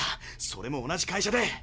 それも同じ会社で。